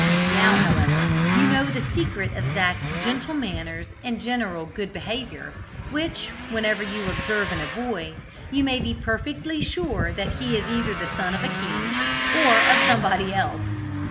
Now, however, you know the secret of Zac's gentle manners and general good behaviour, which, whenever you observe in a boy, you may be perfectly sure that he is either the son of a king, or of somebody else.